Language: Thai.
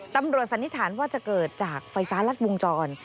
สันนิษฐานว่าจะเกิดจากไฟฟ้ารัดวงจร